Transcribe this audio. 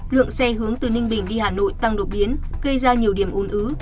lượng xe hướng từ ninh bình đi hà nội tăng đột biến gây ra nhiều điểm ồn ứ